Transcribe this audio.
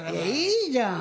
いいじゃん。